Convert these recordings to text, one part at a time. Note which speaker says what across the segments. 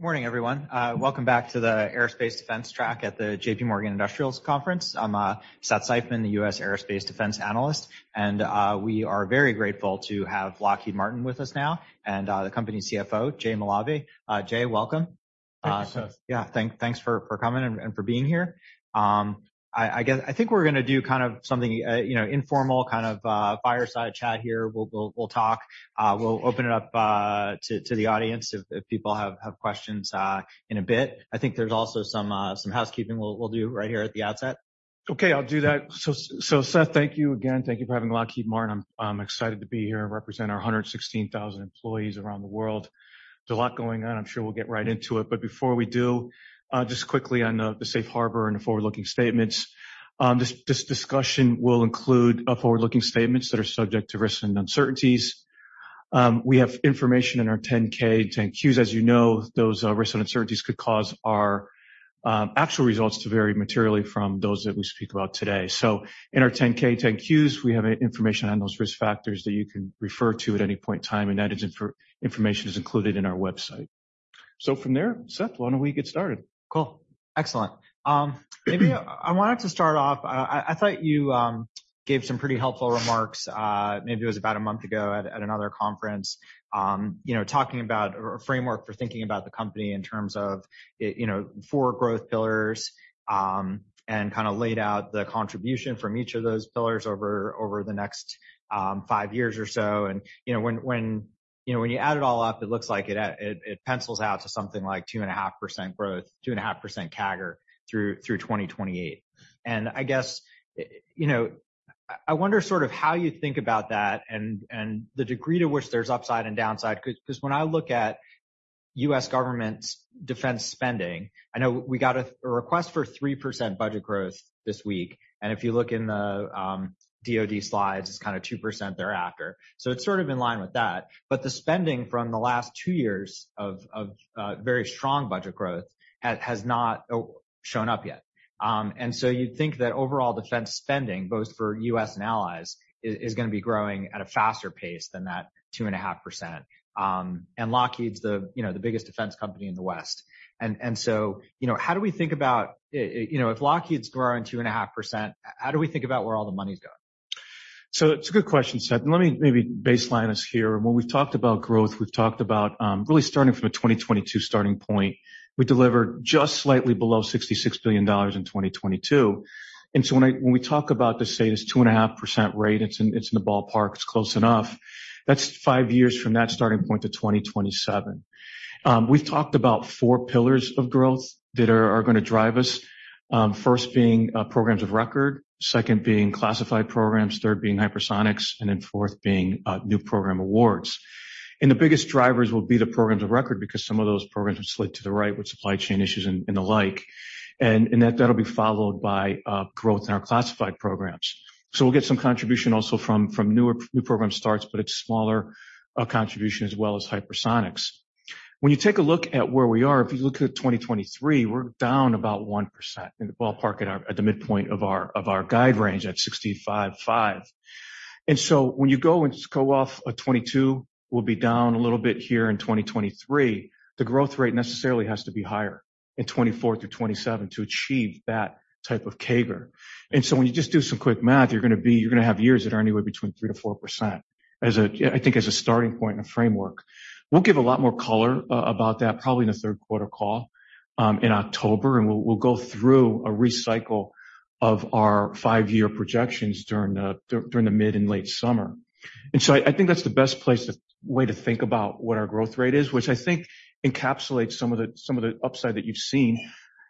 Speaker 1: Morning, everyone. Welcome back to the Aerospace Defense track at the J.P. Morgan Industrials Conference. I'm Seth Seifman, the U.S. Aerospace Defense analyst, we are very grateful to have Lockheed Martin with us now, the Company CFO, Jay Malave. Jay, welcome.
Speaker 2: Thank you, Seth.
Speaker 1: Yeah. Thanks for coming and for being here. I guess, I think we're gonna do kind of something, you know, informal, kind of, fireside chat here. We'll talk. We'll open it up to the audience if people have questions in a bit. I think there's also some housekeeping we'll do right here at the outset.
Speaker 2: Okay, I'll do that. Seth, thank you again. Thank you for having Lockheed Martin. I'm excited to be here and represent our 116,000 employees around the world. There's a lot going on. I'm sure we'll get right into it. Before we do, just quickly on the safe harbor and the forward-looking statements. This discussion will include forward-looking statements that are subject to risks and uncertainties. We have information in our 10-K, 10-Qs. As you know, those risks and uncertainties could cause our actual results to vary materially from those that we speak about today. In our 10-K, 10-Qs, we have information on those risk factors that you can refer to at any point in time, and that information is included in our website. From there, Seth, why don't we get started?
Speaker 1: Cool. Excellent. Maybe I wanted to start off, I thought you gave some pretty helpful remarks, maybe it was about a month ago at another conference. You know, talking about a framework for thinking about the company in terms of it, you know, four growth pillars, and kinda laid out the contribution from each of those pillars over the next, five years or so. You know, when, you know, when you add it all up, it looks like it pencils out to something like 2.5% growth, 2.5% CAGR through 2028. I guess, you know, I wonder sort of how you think about that and the degree to which there's upside and downside 'cause when I look at U.S. government's defense spending, I know we got a request for 3% budget growth this week. If you look in the DoD slides, it's kinda 2% thereafter. It's sort of in line with that. The spending from the last two years of very strong budget growth has not shown up yet. You'd think that overall defense spending, both for U.S. and allies, is gonna be growing at a faster pace than that 2.5%. Lockheed's the, you know, the biggest defense company in the West. You know, how do we think about, you know, if Lockheed's growing 2.5%, how do we think about where all the money's going?
Speaker 2: It's a good question, Seth. Let me maybe baseline us here. When we've talked about growth, we've talked about, really starting from a 2022 starting point. We delivered just slightly below $66 billion in 2022. When we talk about this, say, this 2.5% rate, it's in, it's in the ballpark, it's close enough. That's five years from that starting point to 2027. We've talked about four pillars of growth that are gonna drive us. First being, programs of record, second being classified programs, third being hypersonics, and then fourth being, new program awards. The biggest drivers will be the programs of record because some of those programs have slid to the right with supply chain issues and the like. That'll be followed by growth in our classified programs. We'll get some contribution also from new program starts, but it's smaller contribution as well as hypersonics. When you take a look at where we are, if you look at 2023, we're down about 1% in the ballpark at the midpoint of our guide range at $65.5. When you go and go off of 2022, we'll be down a little bit here in 2023. The growth rate necessarily has to be higher in 2024 through 2027 to achieve that type of CAGR. When you just do some quick math, you're gonna have years that are anywhere between 3%-4% as I think as a starting point and a framework. We'll give a lot more color about that probably in the third quarter call in October, and we'll go through a recycle of our five-year projections during the mid and late summer. I think that's the best place to way to think about what our growth rate is, which I think encapsulates some of the upside that you've seen.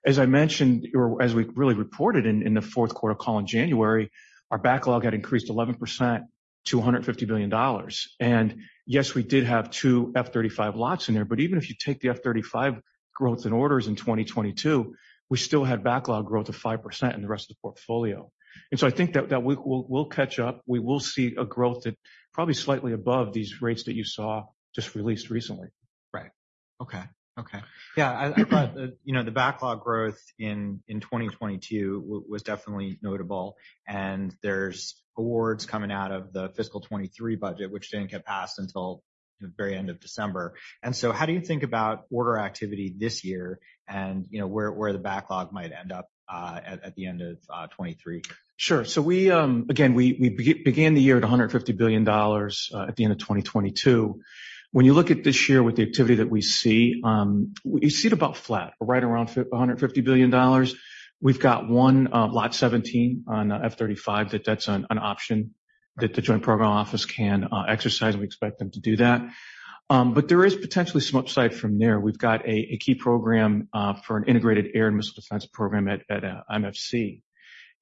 Speaker 2: As I mentioned, or as we really reported in the fourth quarter call in January, our backlog had increased 11% to $150 billion. Yes, we did have two F-35 lots in there, but even if you take the F-35 growth in orders in 2022, we still had backlog growth of 5% in the rest of the portfolio. I think that we'll catch up. We will see a growth that probably slightly above these rates that you saw just released recently.
Speaker 1: Right. Okay. Okay. Yeah. I thought the, you know, the backlog growth in 2022 was definitely notable, and there's awards coming out of the fiscal 2023 budget, which didn't get passed until the very end of December. How do you think about order activity this year and, you know, where the backlog might end up, at the end of 2023?
Speaker 2: Sure. We again, we began the year at $150 billion at the end of 2022. When you look at this year with the activity that we see, we see it about flat or right around $150 billion. We've got one Lot 17 on F-35 that's an option that the Joint Program Office can exercise. We expect them to do that. There is potentially some upside from there. We've got a key program for an integrated air and missile defense program at MFC.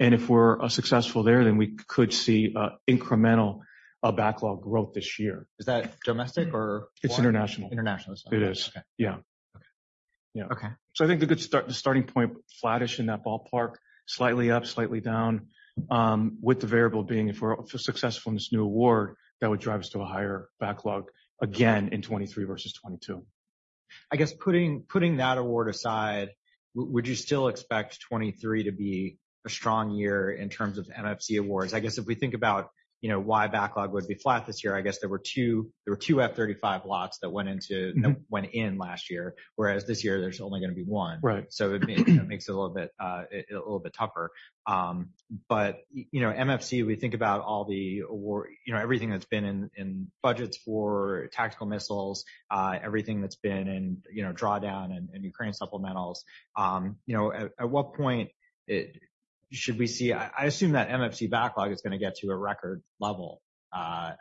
Speaker 2: If we're successful there, then we could see incremental backlog growth this year.
Speaker 1: Is that domestic or foreign?
Speaker 2: It's international.
Speaker 1: International.
Speaker 2: It is.
Speaker 1: Okay.
Speaker 2: Yeah.
Speaker 1: Okay.
Speaker 2: Yeah.
Speaker 1: Okay.
Speaker 2: I think the starting point, flattish in that ballpark, slightly up, slightly down, with the variable being if we're successful in this new award, that would drive us to a higher backlog again in 2023 versus 2022.
Speaker 1: I guess putting that award aside. Would you still expect 2023 to be a strong year in terms of MFC awards? I guess if we think about, you know, why backlog would be flat this year, I guess there were two F-35 lots that went into.
Speaker 2: Mm-hmm.
Speaker 1: that went in last year, whereas this year there's only gonna be one.
Speaker 2: Right.
Speaker 1: It makes it a little bit tougher. You know, MFC, we think about all the award... You know, everything that's been in budgets for tactical missiles, everything that's been in, you know, drawdown and Ukraine supplementals. You know, at what point I assume that MFC backlog is gonna get to a record level at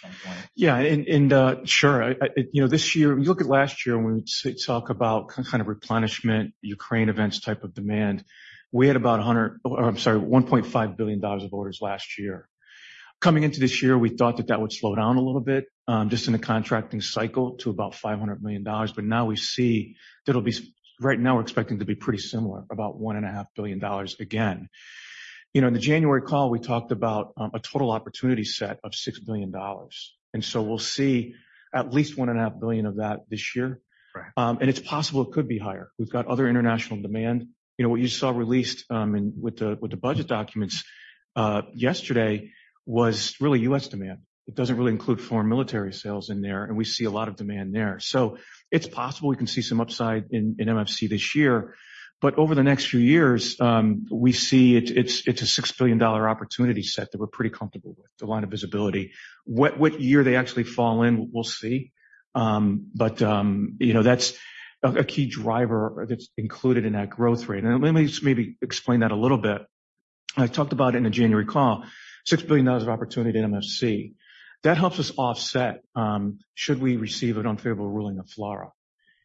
Speaker 1: some point.
Speaker 2: Yeah. You know, this year. If you look at last year when we talk about kind of replenishment, Ukraine events type of demand, we had, or I'm sorry, $1.5 billion of orders last year. Coming into this year, we thought that that would slow down a little bit, just in the contracting cycle to about $500 million. Now we see that it'll be. Right now we're expecting to be pretty similar, about $1.5 billion again. You know, in the January call, we talked about a total opportunity set of $6 billion. So we'll see at least $1.5 billion of that this year.
Speaker 1: Right.
Speaker 2: It's possible it could be higher. We've got other international demand. You know, what you saw released with the budget documents yesterday was really U.S. demand. It doesn't really include foreign military sales in there, and we see a lot of demand there. It's possible we can see some upside in MFC this year. Over the next few years, we see it's a $6 billion opportunity set that we're pretty comfortable with, the line of visibility. What year they actually fall in, we'll see. You know, that's a key driver that's included in that growth rate. Let me just maybe explain that a little bit. I talked about in the January call, $6 billion of opportunity at MFC. That helps us offset, should we receive an unfavorable ruling of FLRAA.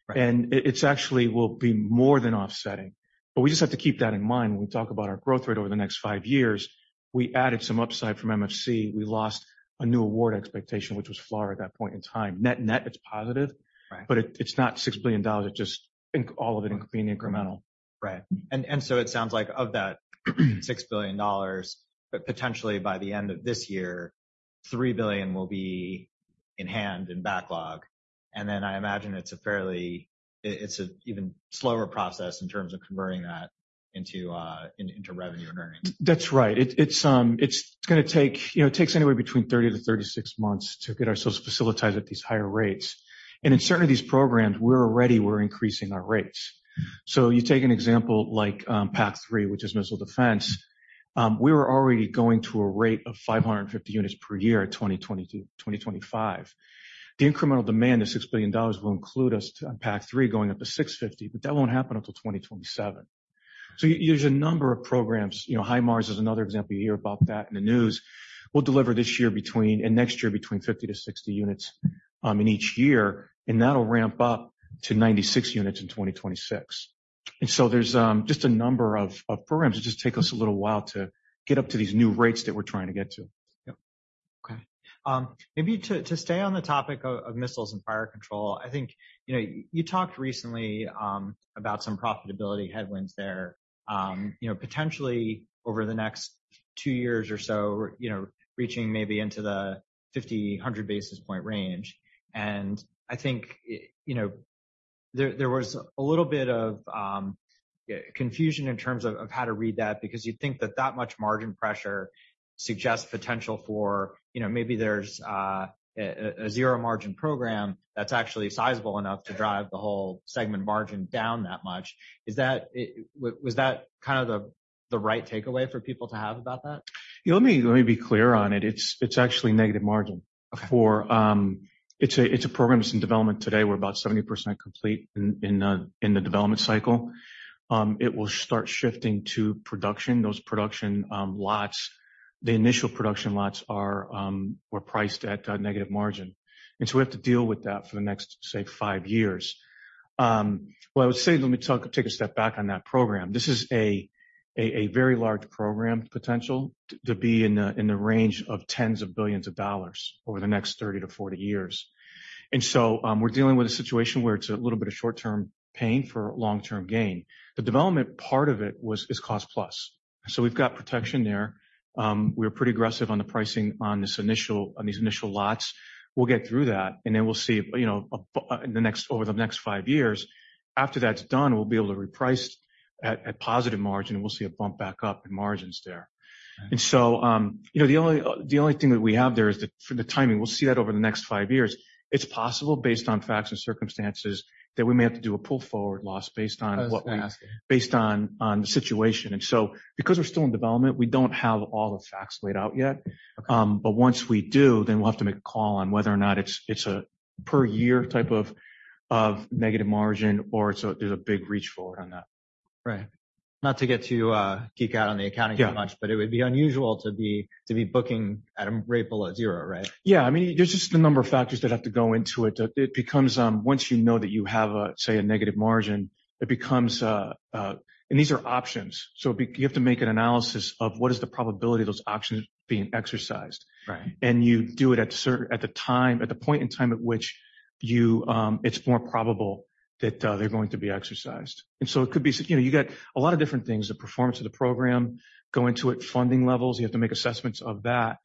Speaker 1: Right.
Speaker 2: It's actually will be more than offsetting. We just have to keep that in mind when we talk about our growth rate over the next five years. We added some upside from MFC. We lost a new award expectation, which was FLRAA at that point in time. Net, net, it's positive.
Speaker 1: Right.
Speaker 2: It's not $6 billion. All of it incremental.
Speaker 1: Right. It sounds like of that $6 billion, but potentially by the end of this year, $3 billion will be in hand in backlog. I imagine it's a fairly even slower process in terms of converting that into revenue and earnings.
Speaker 2: That's right. It's going to take. You know, it takes anywhere between 30-36 months to get ourselves facilitized at these higher rates. In certain of these programs, we're already increasing our rates. You take an example like PAC-3, which is missile defense. We were already going to a rate of 550 units per year at 2020-2025. The incremental demand, the $6 billion, will include us PAC-3 going up to 650, but that won't happen until 2027. Use a number of programs. You know, HIMARS is another example. You hear about that in the news. We'll deliver this year and next year between 50-60 units in each year, and that'll ramp up to 96 units in 2026. There's just a number of programs that just take us a little while to get up to these new rates that we're trying to get to.
Speaker 1: Yep. Okay. Maybe to stay on the topic of missiles and fire control. I think, you know, you talked recently about some profitability headwinds there. You know, potentially over the next two years or so, you know, reaching maybe into the 50-100 basis point range. I think, it, you know, there was a little bit of confusion in terms of how to read that because you'd think that that much margin pressure suggests potential for, you know, maybe there's a zero margin program that's actually sizable enough to drive the whole segment margin down that much. Is that, was that kind of the right takeaway for people to have about that?
Speaker 2: Yeah, let me be clear on it. It's actually negative margin.
Speaker 1: Okay.
Speaker 2: It's a program that's in development today. We're about 70% complete in the development cycle. It will start shifting to production. Those production lots, the initial production lots are priced at a negative margin. We have to deal with that for the next, say, five years. What I would say, let me take a step back on that program. This is a very large program potential to be in the range of tens of billions of dollars over the next 30 to 40 years. We're dealing with a situation where it's a little bit of short-term pain for long-term gain. The development part of it is cost plus. We've got protection there. We're pretty aggressive on the pricing on these initial lots. We'll get through that, and then we'll see, you know, over the next five years. After that's done, we'll be able to reprice at positive margin, and we'll see a bump back up in margins there.
Speaker 1: Okay.
Speaker 2: You know, the only, the only thing that we have there is for the timing. We'll see that over the next five years. It's possible, based on facts and circumstances, that we may have to do a pull forward loss.
Speaker 1: That's what I'm asking.
Speaker 2: Based on the situation. Because we're still in development, we don't have all the facts laid out yet.
Speaker 1: Okay.
Speaker 2: Once we do, then we'll have to make a call on whether or not it's a per year type of negative margin or there's a big reach forward on that.
Speaker 1: Right. Not to get too geek out on the accounting too much.
Speaker 2: Yeah.
Speaker 1: it would be unusual to be booking at a rate below zero, right?
Speaker 2: Yeah. I mean, there's just a number of factors that have to go into it. It becomes, once you know that you have a, say, a negative margin, it becomes. These are options. So you have to make an analysis of what is the probability of those options being exercised.
Speaker 1: Right.
Speaker 2: You do it at the point in time at which you, it's more probable that they're going to be exercised. It could be, you know, you got a lot of different things, the performance of the program, go into it, funding levels. You have to make assessments of that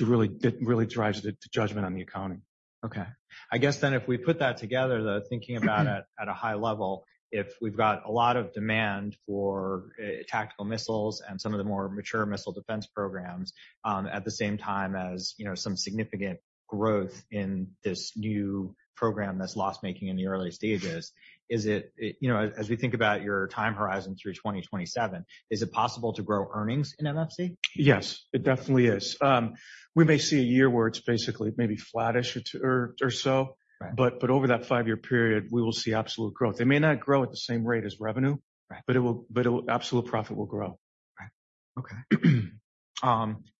Speaker 2: really drives the judgment on the accounting.
Speaker 1: Okay. I guess if we put that together, the thinking about it at a high level, if we've got a lot of demand for tactical missiles and some of the more mature missile defense programs, at the same time as, you know, some significant growth in this new program that's loss-making in the early stages. Is it, you know, as we think about your time horizon through 2027, is it possible to grow earnings in MFC?
Speaker 2: Yes, it definitely is. We may see a year where it's basically maybe flattish or so.
Speaker 1: Right.
Speaker 2: Over that five-year period, we will see absolute growth. It may not grow at the same rate as revenue-
Speaker 1: Right.
Speaker 2: It will... absolute profit will grow.
Speaker 1: Right. Okay.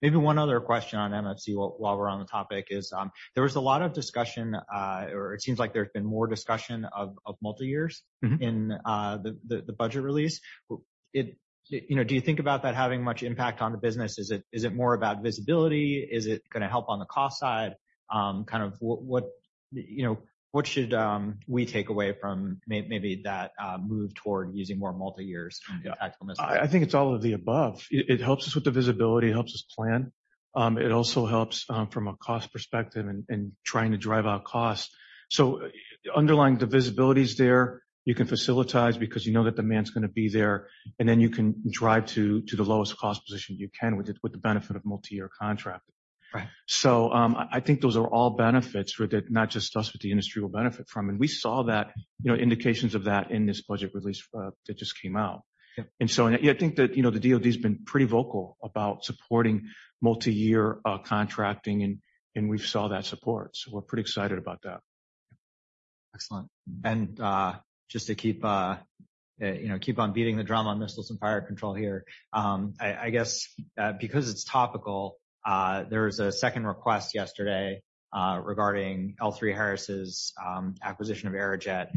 Speaker 1: Maybe one other question on MFC while we're on the topic is, there was a lot of discussion, or it seems like there's been more discussion of multi-years.
Speaker 2: Mm-hmm.
Speaker 1: in, the budget release. You know, do you think about that having much impact on the business? Is it more about visibility? Is it gonna help on the cost side? Kind of what, you know, what should we take away from that move toward using more multi-years?
Speaker 2: Yeah.
Speaker 1: in tactical missiles?
Speaker 2: I think it's all of the above. It helps us with the visibility, it helps us plan. It also helps from a cost perspective and trying to drive out costs. Underlying the visibility is there. You can facilitize because you know that demand's gonna be there, and then you can drive to the lowest cost position you can with the benefit of multi-year contract.
Speaker 1: Right.
Speaker 2: I think those are all benefits for the not just us, but the industry will benefit from. We saw that, you know, indications of that in this budget release that just came out.
Speaker 1: Yeah.
Speaker 2: In that, yeah, I think that, you know, the DoD's been pretty vocal about supporting multi-year contracting, and we saw that support, so we're pretty excited about that.
Speaker 1: Excellent. Just to keep, you know, keep on beating the drum on missiles and fire control here. I guess, because it's topical, there was a second request yesterday, regarding L3Harris' acquisition of Aerojet.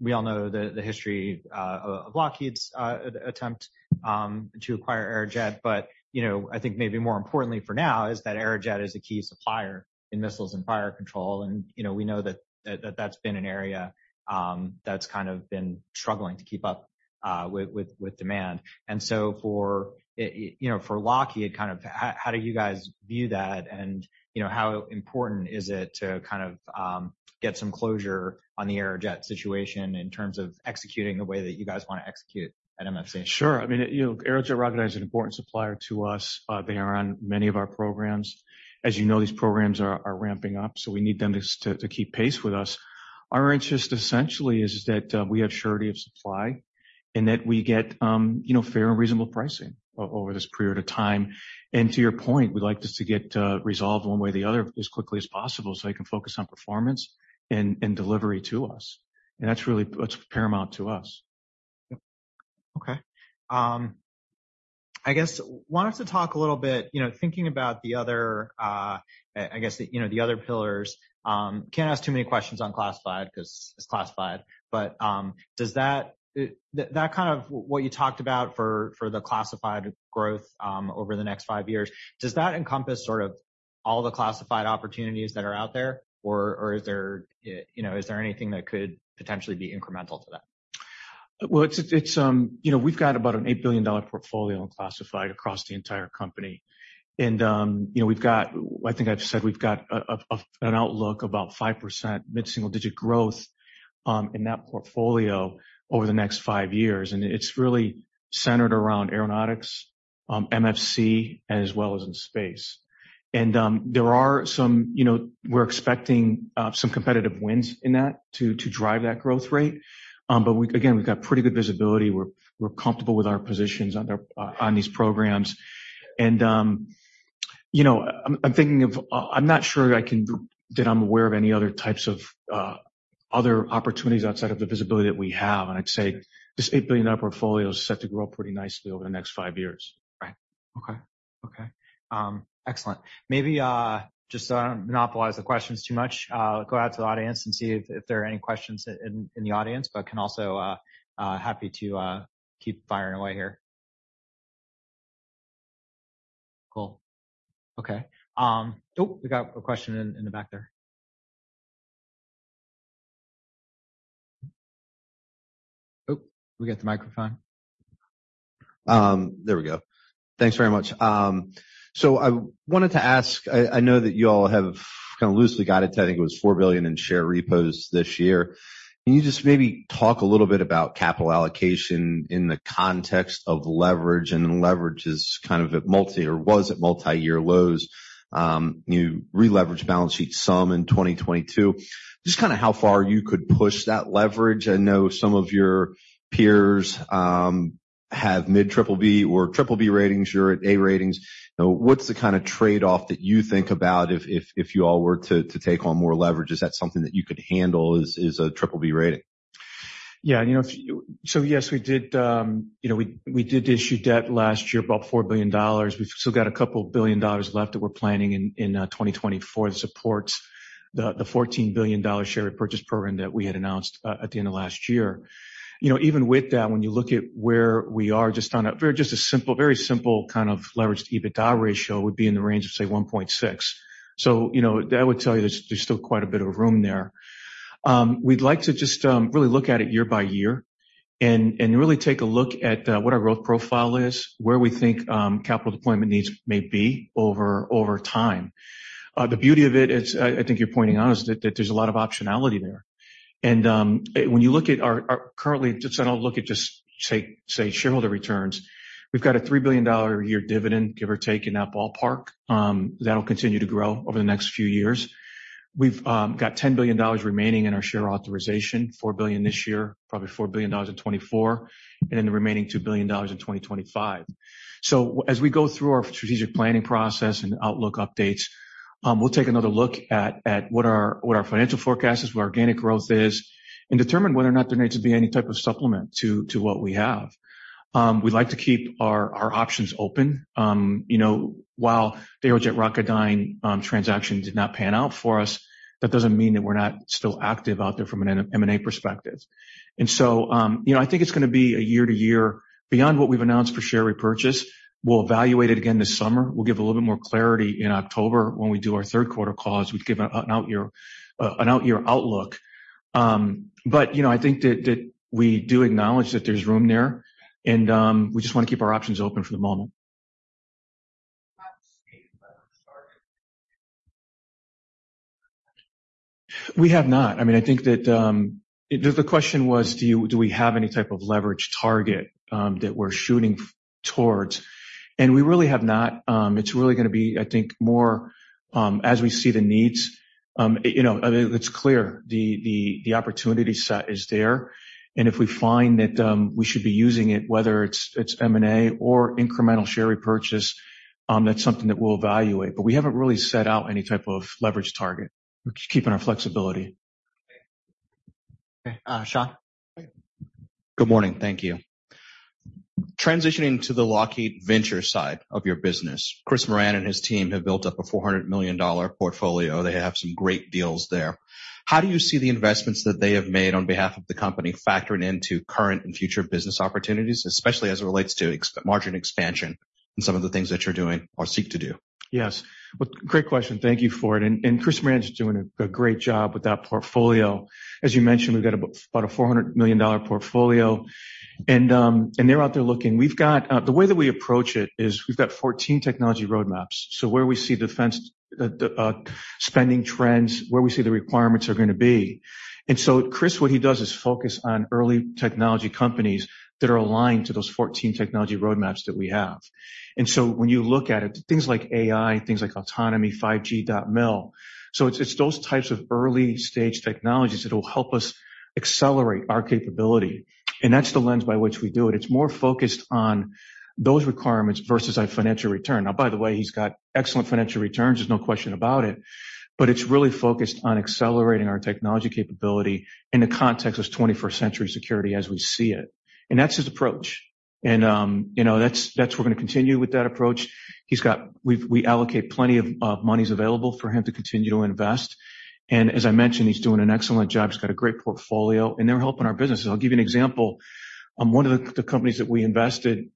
Speaker 1: We all know the history of Lockheed's attempt to acquire Aerojet. You know, I think maybe more importantly for now is that Aerojet is a key supplier in missiles and fire control. You know, we know that's been an area that's kind of been struggling to keep up with demand. So for, you know, for Lockheed, kind of how do you guys view that? You know, how important is it to kind of, get some closure on the Aerojet situation in terms of executing the way that you guys wanna execute at MFC?
Speaker 2: Sure. I mean, you know, Aerojet Rocketdyne is an important supplier to us. They are on many of our programs. As you know, these programs are ramping up, so we need them just to keep pace with us. Our interest essentially is that we have surety of supply and that we get, you know, fair and reasonable pricing over this period of time. To your point, we'd like this to get resolved one way or the other as quickly as possible, so they can focus on performance and delivery to us. That's paramount to us.
Speaker 1: Yep. Okay. I guess wanted to talk a little bit, you know, thinking about the other, I guess, you know, the other pillars. Can't ask too many questions on classified 'cause it's classified. Does that... That kind of what you talked about for the classified growth, over the next five years, does that encompass sort of all the classified opportunities that are out there? Or, is there, you know, is there anything that could potentially be incremental to that?
Speaker 2: Well, it's, you know, we've got about an $8 billion portfolio in classified across the entire company. You know, I think I've said we've got an outlook about 5% mid-single digit growth in that portfolio over the next five years, and it's really centered around Aeronautics, MFC, as well as in Space. There are some, you know, we're expecting some competitive wins in that to drive that growth rate. Again, we've got pretty good visibility. We're comfortable with our positions on these programs. You know, I'm thinking of that I'm aware of any other types of other opportunities outside of the visibility that we have. I'd say this $8 billion portfolio is set to grow pretty nicely over the next five years.
Speaker 1: Right. Okay. Okay. Excellent. Maybe, just so I don't monopolize the questions too much, go out to the audience and see if there are any questions in the audience, but can also happy to keep firing away here. Cool. Okay. Oh, we got a question in the back there. Oh, we got the microphone.
Speaker 3: There we go. Thanks very much. I wanted to ask, I know that you all have kind of loosely guided to, I think it was $4 billion in share repos this year. Can you just maybe talk a little bit about capital allocation in the context of leverage? Leverage is kind of at multi-year lows. You re-leveraged balance sheet some in 2022. Just kinda how far you could push that leverage. I know some of your peers have mid BBB or BBB ratings. You're at A ratings. You know, what's the kinda trade-off that you think about if you all were to take on more leverage? Is that something that you could handle, is a BBB rating?
Speaker 2: You know, yes, we did, you know, we did issue debt last year, about $4 billion. We've still got $2 billion left that we're planning in 2024 that supports the $14 billion share repurchase program that we had announced at the end of last year. You know, even with that, when you look at where we are, just a very simple, very simple kind of leveraged EBITDA ratio would be in the range of, say, 1.6. You know, that would tell you there's still quite a bit of room there. We'd like to just really look at it year-by-year and really take a look at what our growth profile is, where we think capital deployment needs may be over time. The beauty of it is, I think you're pointing out, is that there's a lot of optionality there. When you look at our currently, I don't look at just shareholder returns. We've got a $3 billion a year dividend, give or take, in that ballpark, that'll continue to grow over the next few years. We've got $10 billion remaining in our share authorization, $4 billion this year, probably $4 billion in 2024, and then the remaining $2 billion in 2025. As we go through our strategic planning process and outlook updates, we'll take another look at what our financial forecast is, what our organic growth is, and determine whether or not there needs to be any type of supplement to what we have. We'd like to keep our options open. you know, while the Aerojet Rocketdyne transaction did not pan out for us, that doesn't mean that we're not still active out there from an M&A perspective. you know, I think it's gonna be a year-to-year. Beyond what we've announced per share repurchase, we'll evaluate it again this summer. We'll give a little bit more clarity in October when we do our third quarter calls. We've given an out-year outlook. you know, I think that we do acknowledge that there's room there and, we just wanna keep our options open for the moment. We have not. I mean, I think that... The question was, do we have any type of leverage target, that we're shooting towards? We really have not. It's really gonna be, I think, more, as we see the needs. You know, it's clear the opportunity set is there. If we find that, we should be using it, whether it's M&A or incremental share repurchase, that's something that we'll evaluate. We haven't really set out any type of leverage target. We're just keeping our flexibility.
Speaker 1: Okay. Sean.
Speaker 3: Good morning. Thank you. Transitioning to the Lockheed venture side of your business, Chris Moran and his team have built up a $400 million portfolio. They have some great deals there. How do you see the investments that they have made on behalf of the company factoring into current and future business opportunities, especially as it relates to margin expansion and some of the things that you're doing or seek to do?
Speaker 2: Yes. Well, great question. Thank you for it. Chris Moran's doing a great job with that portfolio. As you mentioned, we've got about a $400 million portfolio. They're out there looking. The way that we approach it is we've got 14 technology roadmaps. Where we see defense spending trends, where we see the requirements are gonna be. Chris, what he does is focus on early technology companies that are aligned to those 14 technology roadmaps that we have. When you look at it, things like AI, things like autonomy, 5G.MIL. It's those types of early-stage technologies that will help us accelerate our capability, and that's the lens by which we do it. It's more focused on those requirements versus a financial return. By the way, he's got excellent financial returns. There's no question about it. It's really focused on accelerating our technology capability in the context of 21st-century security as we see it. That's his approach. You know, that's we're gonna continue with that approach. We allocate plenty of monies available for him to continue to invest. As I mentioned, he's doing an excellent job. He's got a great portfolio, and they're helping our businesses. I'll give you an example. One of the companies that we invested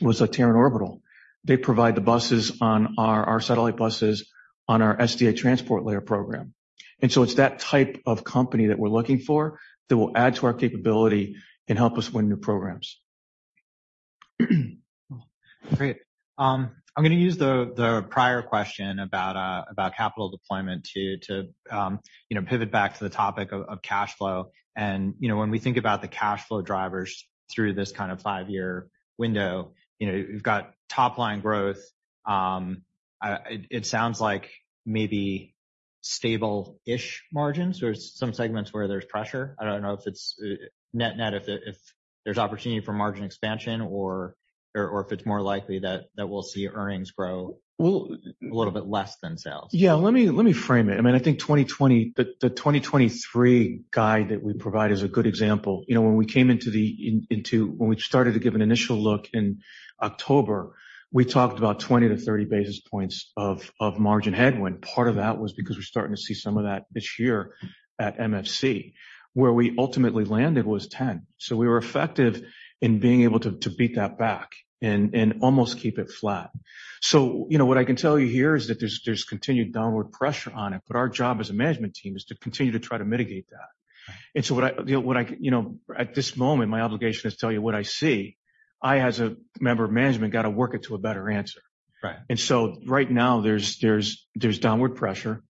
Speaker 2: was Terran Orbital. They provide the buses on our satellite buses on our SDA Transport Layer program. It's that type of company that we're looking for that will add to our capability and help us win new programs.
Speaker 1: Great. I'm gonna use the prior question about capital deployment to, you know, pivot back to the topic of cash flow. You know, when we think about the cash flow drivers through this kind of five-year window, you know, we've got top-line growth. It sounds like maybe stable-ish margins. There's some segments where there's pressure. I don't know if it's net-net, if there's opportunity for margin expansion or if it's more likely that we'll see earnings grow...
Speaker 2: Well-
Speaker 1: A little bit less than sales.
Speaker 2: Yeah, let me frame it. I mean, I think the 2023 guide that we provide is a good example. You know, when we came into when we started to give an initial look in October, we talked about 20 to 30 basis points of margin headwind. Part of that was because we're starting to see some of that this year at MFC. Where we ultimately landed was 10. We were effective in being able to beat that back and almost keep it flat. You know, what I can tell you here is that there's continued downward pressure on it, but our job as a management team is to continue to try to mitigate that. What I, you know, at this moment, my obligation is to tell you what I see. I, as a member of management, got to work it to a better answer.
Speaker 1: Right.
Speaker 2: Right now, there's downward pressure,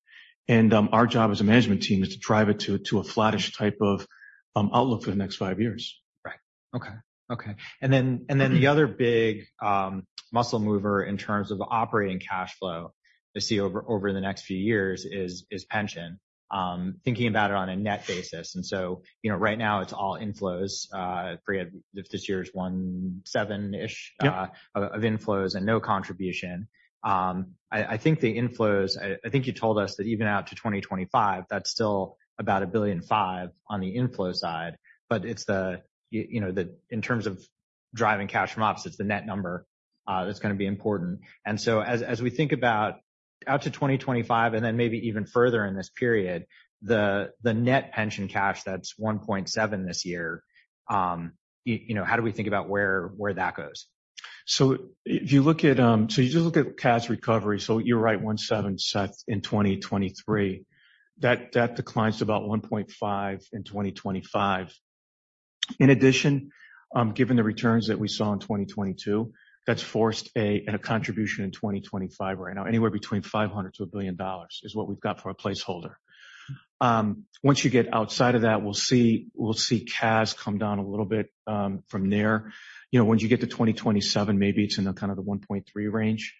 Speaker 2: and our job as a management team is to drive it to a flattish type of outlook for the next five years.
Speaker 1: Right. Okay. Okay. The other big muscle mover in terms of operating cash flow to see over the next few years is pension, thinking about it on a net basis. You know, right now it's all inflows. I forget if this year is $1.7-ish.
Speaker 2: Yep
Speaker 1: Of inflows and no contribution. I think the inflows, I think you told us that even out to 2025, that's still about $1.5 billion on the inflow side. It's the, you know, in terms of driving cash from ops, it's the net number that's gonna be important. As we think about out to 2025 and then maybe even further in this period, the net pension cash that's $1.7 this year, you know, how do we think about where that goes?
Speaker 2: If you look at CAS recovery. You're right, $0.017 in 2023. That declines to about $0.015 in 2025. In addition, given the returns that we saw in 2022, that's forced a contribution in 2025 right now, anywhere between $500 million-$2 billion is what we've got for a placeholder. Once you get outside of that, we'll see, we'll see CAS come down a little bit from there. You know, once you get to 2027, maybe it's in a kind of the $0.013 range.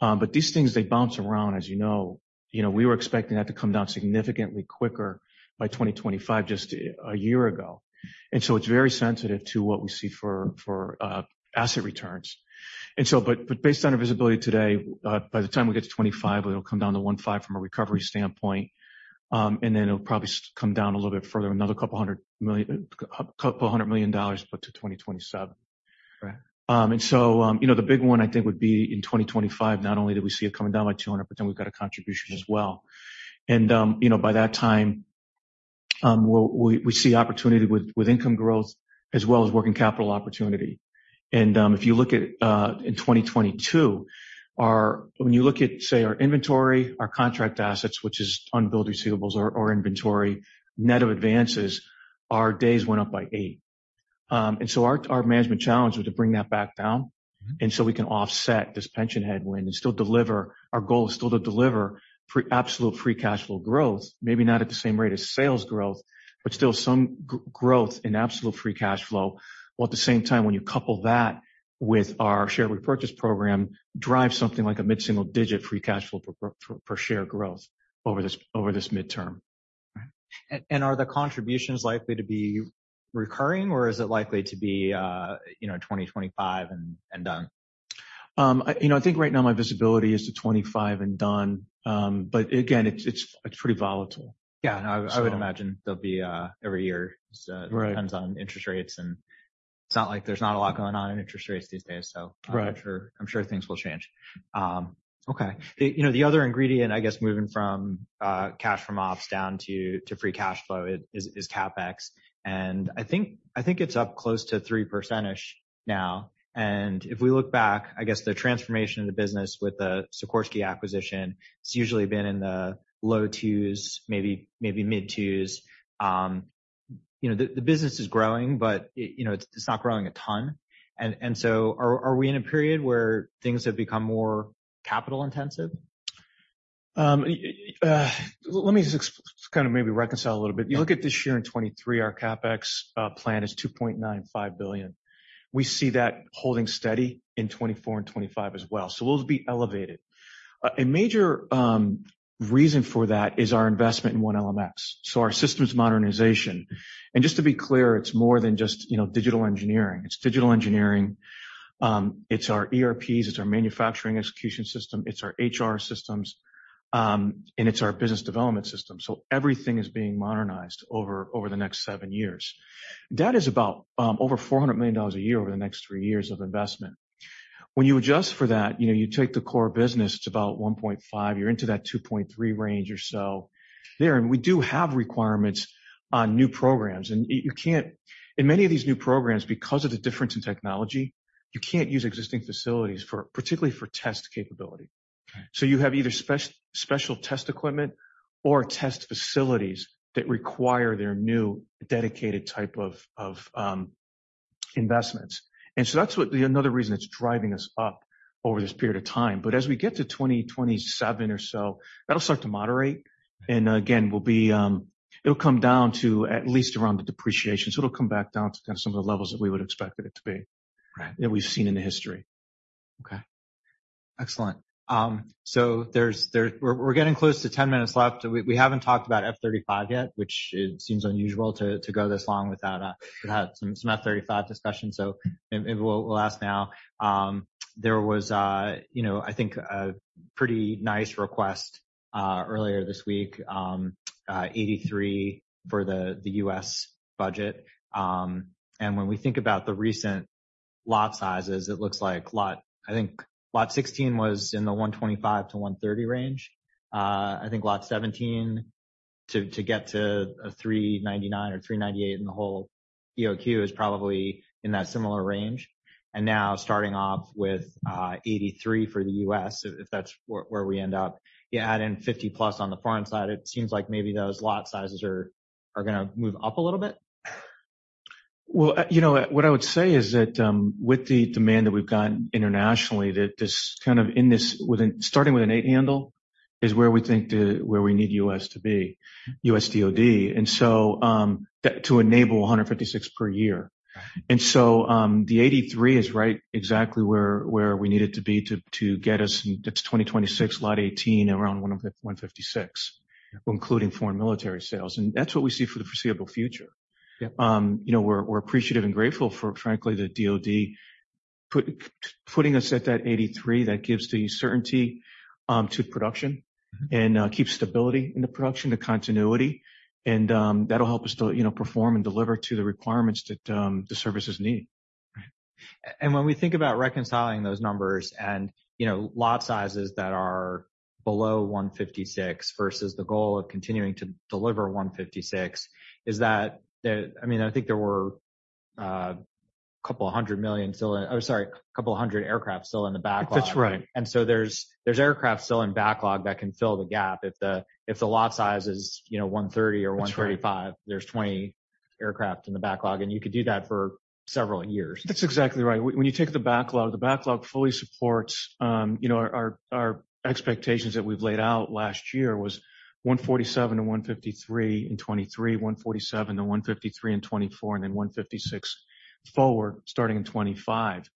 Speaker 2: But these things, they bounce around, as you know. You know, we were expecting that to come down significantly quicker by 2025 just a year ago. It's very sensitive to what we see for asset returns. Based on our visibility today, by the time we get to 2025, it'll come down to 1.5 from a recovery standpoint, and then it'll probably come down a little bit further, another couple hundred million dollars, but to 2027.
Speaker 1: Right.
Speaker 2: The big one I think would be in 2025, not only do we see it coming down by $200 million, but then we've got a contribution as well. By that time, we see opportunity with income growth as well as working capital opportunity. If you look at in 2022, when you look at, say, our inventory, our contract assets, which is unbilled receivables or inventory, net of advances, our days went up by eight. Our management challenge was to bring that back down, and so we can offset this pension headwind and still deliver. Our goal is still to deliver absolute free cash flow growth, maybe not at the same rate as sales growth, but still some growth in absolute free cash flow. At the same time, when you couple that with our share repurchase program, drive something like a mid-single-digit free cash flow per share growth over this midterm.
Speaker 1: Are the contributions likely to be recurring, or is it likely to be, you know, 2025 and done?
Speaker 2: I, you know, I think right now my visibility is to 2025 and done. Again, it's, it's pretty volatile.
Speaker 1: Yeah.
Speaker 2: So-
Speaker 1: I would imagine they'll be every year.
Speaker 2: Right.
Speaker 1: It depends on interest rates, and it's not like there's not a lot going on in interest rates these days, so.
Speaker 2: Right.
Speaker 1: I'm sure things will change. Okay. The, you know, the other ingredient, I guess, moving from cash from ops down to free cash flow is CapEx. I think it's up close to 3%-ish now. If we look back, I guess the transformation of the business with the Sikorsky acquisition, it's usually been in the low twos, maybe mid twos. You know, the business is growing, but it, you know, it's not growing a ton. So are we in a period where things have become more capital intensive?
Speaker 2: Let me just kind of maybe reconcile a little bit.
Speaker 1: Yeah.
Speaker 2: You look at this year in 2023, our CapEx plan is $2.95 billion. We see that holding steady in 2024 and 2025 as well. Those will be elevated. A major reason for that is our investment in 1LMX, so our systems modernization. Just to be clear, it's more than just, you know, digital engineering. It's digital engineering, it's our ERPs, it's our manufacturing execution system, it's our HR systems, and it's our business development system. Everything is being modernized over the next seven years. That is about over $400 million a year over the next three years of investment. When you adjust for that, you know, you take the core business, it's about $1.5. You're into that $2.3 range or so there. We do have requirements on new programs, in many of these new programs, because of the difference in technology, you can't use existing facilities for, particularly for test capability.
Speaker 1: Right.
Speaker 2: You have either special test equipment or test facilities that require their new dedicated type of investments. That's another reason it's driving us up over this period of time. As we get to 2027 or so, that'll start to moderate.
Speaker 1: Right.
Speaker 2: It'll come down to at least around the depreciation. It'll come back down to kind of some of the levels that we would expect it to be.
Speaker 1: Right.
Speaker 2: That we've seen in the history.
Speaker 1: Okay. Excellent. We're getting close to 10 minutes left. We haven't talked about F-35 yet, which it seems unusual to go this long without some F-35 discussion. Maybe we'll ask now. There was, you know, I think a pretty nice request earlier this week, 83 for the U.S. budget. When we think about the recent lot sizes, it looks like I think lot 16 was in the 125-130 range. I think lot 17 to get to a 399 or 398 in the whole EOQ is probably in that similar range. Now starting off with 83 for the U.S., if that's where we end up. You add in 50+ on the foreign side, it seems like maybe those lot sizes are going to move up a little bit.
Speaker 2: Well, you know what I would say is that, with the demand that we've gotten internationally, that this kind of within starting with an eight handle is where we think where we need U.S. DoD to be to enable 156 per year.
Speaker 1: Right.
Speaker 2: The 83 is right exactly where we need it to be to get us to 2026, lot 18, around one of the 156, including Foreign Military Sales. That's what we see for the foreseeable future.
Speaker 1: Yep.
Speaker 2: you know, we're appreciative and grateful for, frankly, the DoD putting us at that 83. That gives the certainty, to production.
Speaker 1: Mm-hmm.
Speaker 2: keeps stability in the production, the continuity. That'll help us to, you know, perform and deliver to the requirements that the services need.
Speaker 1: Right. And when we think about reconciling those numbers and, you know, lot sizes that are below 156 versus the goal of continuing to deliver 156. I mean, I think there were 200 aircraft still in the backlog.
Speaker 2: That's right.
Speaker 1: There's aircraft still in backlog that can fill the gap. If the lot size is, you know, 130 or 135.
Speaker 2: That's right.
Speaker 1: There's 20 aircraft in the backlog, and you could do that for several years.
Speaker 2: That's exactly right. When you take the backlog, the backlog fully supports, you know, our expectations that we've laid out last year was $147-$153 in 2023, $147-$153 in 2024, and then $156 forward, starting in 2025.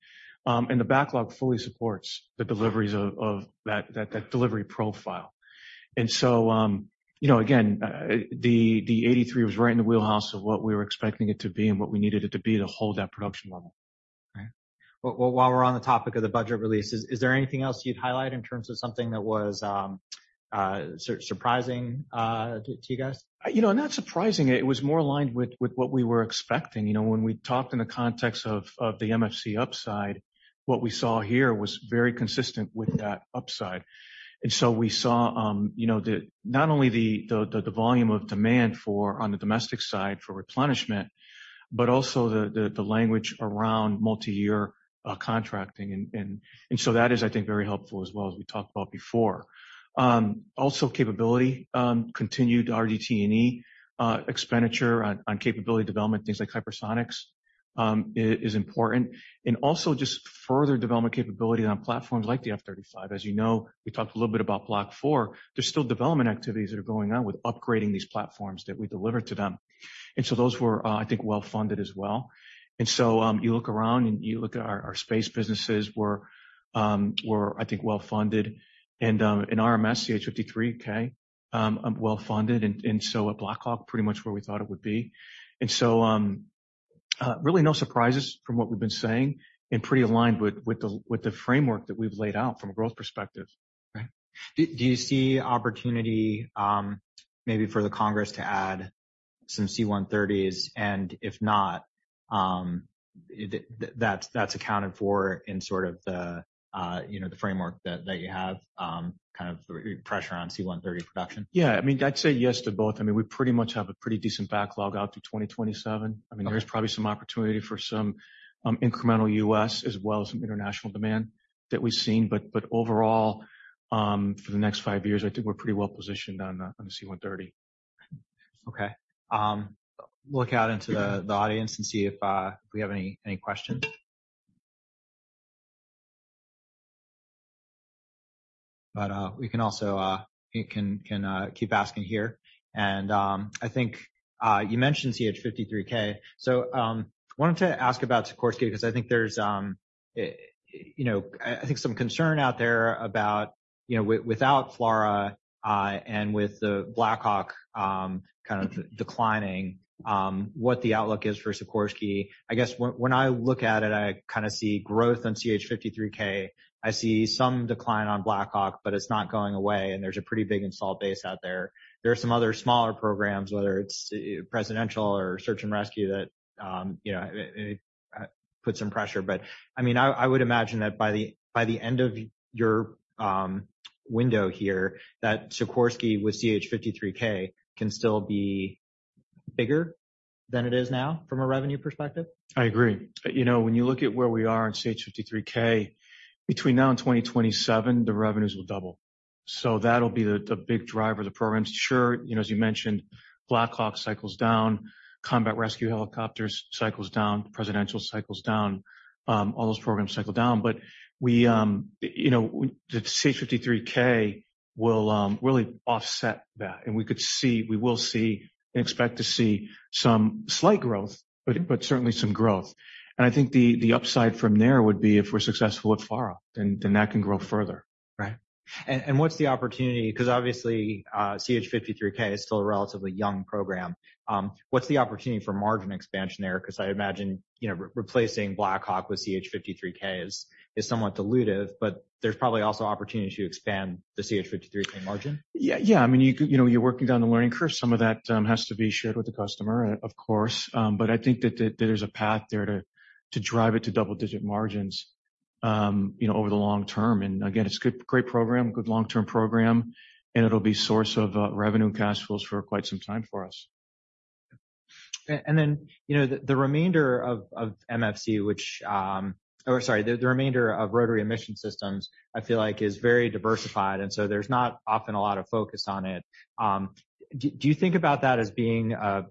Speaker 2: The backlog fully supports the deliveries of that delivery profile. You know, again, the $83 was right in the wheelhouse of what we were expecting it to be and what we needed it to be to hold that production level.
Speaker 1: Right. Well, while we're on the topic of the budget release, is there anything else you'd highlight in terms of something that was surprising to you guys?
Speaker 2: You know, not surprising. It was more aligned with what we were expecting. You know, when we talked in the context of the MFC upside, what we saw here was very consistent with that upside. We saw not only the volume of demand for on the domestic side for replenishment, but also the language around multi-year contracting and so that is, I think, very helpful as well, as we talked about before. Also capability, continued RDT&E expenditure on capability development, things like hypersonics, is important. Also just further development capability on platforms like the F-35. As you know, we talked a little bit about Block 4. There's still development activities that are going on with upgrading these platforms that we deliver to them. Those were, I think, well-funded as well. You look around, and you look at our space businesses were, I think, well-funded. In RMS, CH-53K, well-funded. At BLACK HAWK, pretty much where we thought it would be. Really no surprises from what we've been saying, and pretty aligned with the, with the framework that we've laid out from a growth perspective.
Speaker 1: Right. Do you see opportunity, maybe for the Congress to add some C-130s? If not, that's accounted for in sort of the, you know, the framework that you have, kind of the pressure on C-130 production.
Speaker 2: Yeah. I mean, I'd say yes to both. I mean, we pretty much have a pretty decent backlog out to 2027. I mean, there's probably some opportunity for some incremental U.S. as well as some international demand that we've seen. Overall, for the next five years, I think we're pretty well positioned on the C-130.
Speaker 1: Okay. look out into the audience and see if we have any questions. We can also, you can keep asking here. I think you mentioned CH-53K. Wanted to ask about Sikorsky because I think there's, you know, I think some concern out there about, you know, without FLRAA, and with the BLACK HAWK, kind of declining, what the outlook is for Sikorsky. I guess when I look at it, I kind of see growth on CH-53K. I see some decline on BLACK HAWK, but it's not going away, and there's a pretty big install base out there. There are some other smaller programs, whether it's Presidential or search and rescue that, you know, it puts some pressure. I mean, I would imagine that by the, by the end of your window here, that Sikorsky with CH-53K can still be bigger than it is now from a revenue perspective.
Speaker 2: I agree. You know, when you look at where we are in CH-53K, between now and 2027, the revenues will double. That'll be the big driver of the programs. Sure, you know, as you mentioned, BLACK HAWK cycles down, Combat Rescue Helicopters cycles down, Presidential cycles down, all those programs cycle down. We, you know, the CH-53K will really offset that. We could see, we will see and expect to see some slight growth, but certainly some growth. I think the upside from there would be if we're successful with FLRAA, then that can grow further.
Speaker 1: Right. What's the opportunity? Because obviously, CH-53K is still a relatively young program. What's the opportunity for margin expansion there? Because I imagine, you know, replacing BLACK HAWK with CH-53K is somewhat dilutive, but there's probably also opportunities to expand the CH-53K margin.
Speaker 2: Yeah. I mean, you know, you're working down the learning curve. Some of that has to be shared with the customer, of course. I think that there's a path there to drive it to double-digit margins, you know, over the long term. Again, it's good, great program, good long-term program, and it'll be source of revenue and cash flows for quite some time for us.
Speaker 1: You know, the remainder of MFC. Sorry, the remainder of Rotary Mission Systems, I feel like is very diversified, and so there's not often a lot of focus on it. Do you think about that as being a,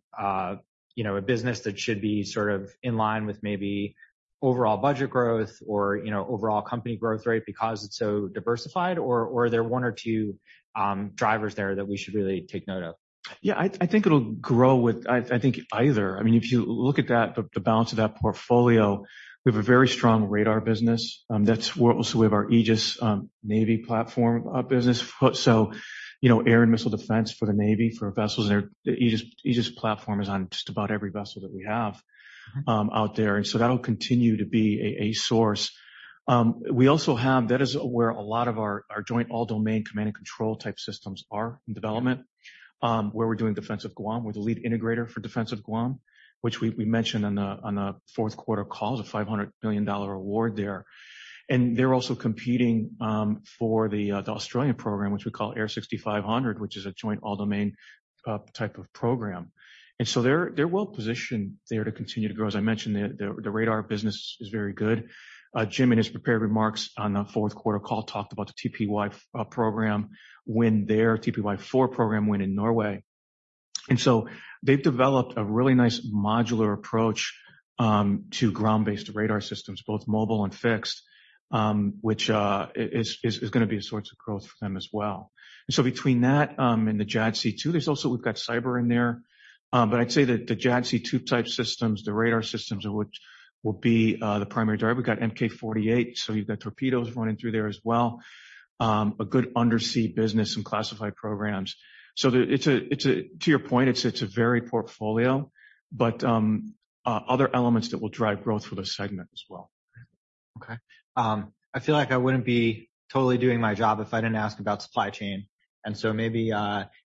Speaker 1: you know, a business that should be sort of in line with maybe overall budget growth or, you know, overall company growth rate because it's so diversified, or are there one or two drivers there that we should really take note of?
Speaker 2: Yeah. I think it'll grow with. I think either. I mean, if you look at that, the balance of that portfolio, we have a very strong radar business. That's where also we have our Aegis Navy platform business. You know, air and missile defense for the Navy, for vessels, their Aegis platform is on just about every vessel that we have out there. That'll continue to be a source. We also have. That is where a lot of our Joint All Domain Command and Control type systems are in development, where we're doing defense of Guam. We're the lead integrator for defense of Guam, which we mentioned on the fourth quarter call, the $500 million award there. They're also competing for the Australian program, which we call AIR 6500, which is a joint all domain type of program. They're well-positioned there to continue to grow. As I mentioned, the radar business is very good. Jim, in his prepared remarks on the fourth quarter call, talked about the TPY program win there, TPY-4 program win in Norway. They've developed a really nice modular approach to ground-based radar systems, both mobile and fixed, which is gonna be a source of growth for them as well. Between that and the JADC2, we've got cyber in there. I'd say that the JADC2 type systems, the radar systems which will be the primary driver. We've got MK48, so you've got torpedoes running through there as well. A good undersea business and classified programs. To your point, it's a varied portfolio, but other elements that will drive growth for the segment as well.
Speaker 1: Okay. I feel like I wouldn't be totally doing my job if I didn't ask about supply chain. Maybe,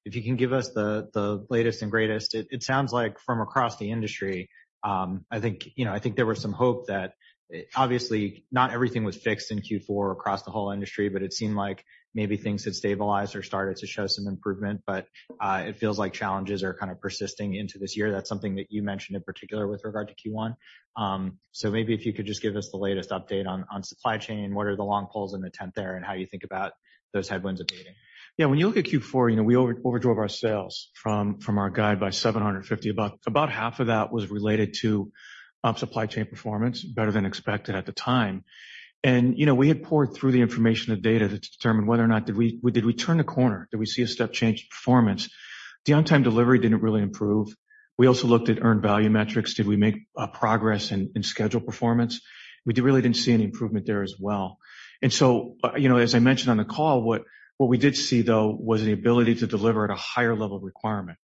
Speaker 1: if you can give us the latest and greatest. It, it sounds like from across the industry, I think, you know, I think there was some hope that, obviously not everything was fixed in Q4 across the whole industry, but it seemed like maybe things had stabilized or started to show some improvement. It feels like challenges are kind of persisting into this year. That's something that you mentioned in particular with regard to Q1. Maybe if you could just give us the latest update on supply chain, what are the long poles in the tent there, and how you think about those headwinds abating.
Speaker 2: When you look at Q4, you know, we overdrove our sales from our guide by $750. About half of that was related to supply chain performance, better than expected at the time. You know, we had poured through the information and data to determine whether or not did we turn a corner? Did we see a step change in performance? The on-time delivery didn't really improve. We also looked at earned value metrics. Did we make progress in schedule performance? We really didn't see any improvement there as well. You know, as I mentioned on the call, what we did see, though, was the ability to deliver at a higher level of requirement.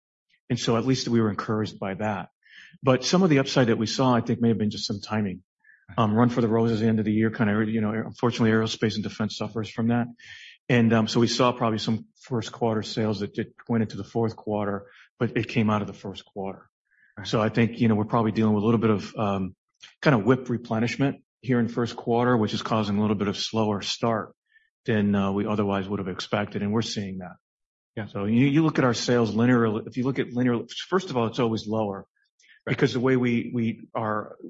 Speaker 2: At least we were encouraged by that. Some of the upside that we saw, I think may have been just some timing. Run for the roses, end of the year, kind of, you know, unfortunately, aerospace and defense suffers from that. So we saw probably some first quarter sales that went into the fourth quarter, but it came out of the first quarter.
Speaker 1: Right.
Speaker 2: I think, you know, we're probably dealing with a little bit of, kind of whip replenishment here in first quarter, which is causing a little bit of slower start than, we otherwise would have expected, and we're seeing that.
Speaker 1: Yeah.
Speaker 2: You look at our sales linearly. If you look at linear, first of all, it's always lower.
Speaker 1: Right.
Speaker 2: The way we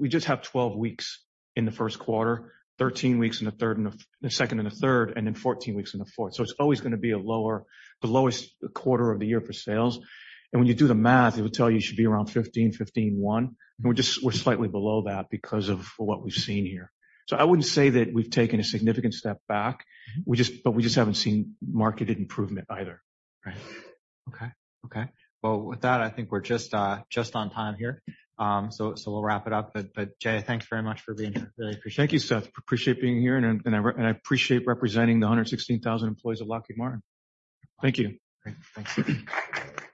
Speaker 2: just have 12 weeks in the first quarter, 13 weeks in the second and the third, and 14 weeks in the fourth. It's always gonna be the lowest quarter of the year for sales. When you do the math, it will tell you should be around $15, $15.1. We're slightly below that because of what we've seen here. I wouldn't say that we've taken a significant step back. We just haven't seen marketed improvement either.
Speaker 1: Right. Okay. Okay. Well, with that, I think we're just on time here. We'll wrap it up. Jay, thanks very much for being here. Really appreciate it.
Speaker 2: Thank you, Seth. Appreciate being here and I appreciate representing the 116,000 employees of Lockheed Martin. Thank you.
Speaker 1: Great. Thanks.